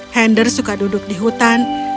hender suka duduk di hutan